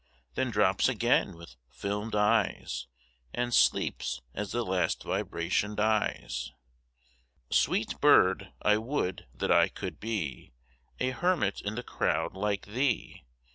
Then drops again with fdmed eyes, And sleeps as the last vibration dies. a (89) Sweet bird ! I would that I could be A hermit in the crowd like thee